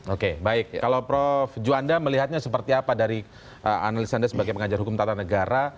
oke baik kalau prof juanda melihatnya seperti apa dari analis anda sebagai pengajar hukum tata negara